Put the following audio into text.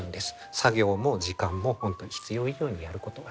作業も時間も本当に必要以上にやることはない。